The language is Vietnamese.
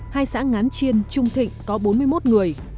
hai xã ngán chiên trung thịnh có bốn mươi một người